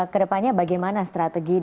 kedepannya bagaimana strategi